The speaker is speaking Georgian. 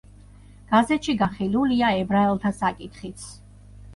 გაზეთში განხილულია ებრაელთა საკითხიც.